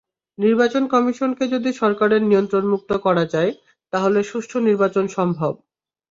নির্বাচন কমিশনকে যদি সরকারের নিয়ন্ত্রণমুক্ত করা যায়, তাহলে সুষ্ঠু নির্বাচন সম্ভব।